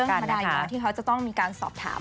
เป็นเรื่องประดายอย่างที่เขาจะต้องมีการสอบถาม